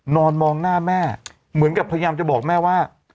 นอนมองหน้าแม่เหมือนกับพยายามจะบอกแม่ว่า